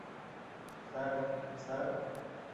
Sir, sir.